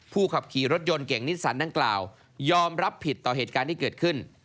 ขับขี่รถยนต์เก่งนิสสันดังกล่าวยอมรับผิดต่อเหตุการณ์ที่เกิดขึ้น